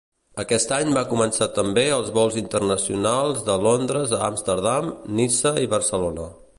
Aquest any va començar també els vols internacionals de Londres a Amsterdam, Niça i Barcelona.